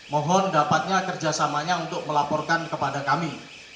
mohon dapatnya kerjasamanya untuk melaporkan kepada kami